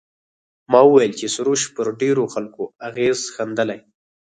ما وویل چې سروش پر ډېرو خلکو اغېز ښندلی.